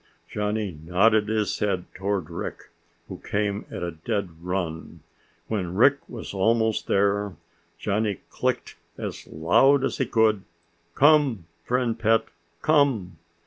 Johnny nodded his head toward Rick, who came at a dead run. When Rick was almost there, Johnny clicked as loud as he could, "Come, friend pet! Come!"